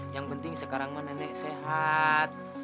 yang penting sekarang mah nenek sehat